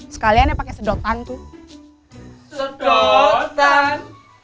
sekaliannya pakai sedotan tuh sedotan